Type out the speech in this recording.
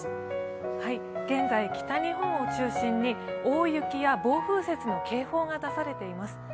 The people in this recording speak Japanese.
現在、北日本を中心に大雪や暴風雪の警報が出されています。